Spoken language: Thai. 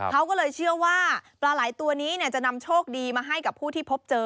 เขาก็เลยเชื่อว่าปลาไหล่ตัวนี้จะนำโชคดีมาให้กับผู้ที่พบเจอ